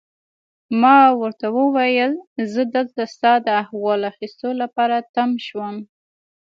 ما ورته وویل: زه دلته ستا د احوال اخیستو لپاره تم شوم.